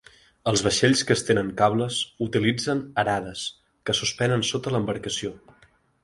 Els vaixells que estenen cables utilitzen "arades" que suspenen sota l'embarcació.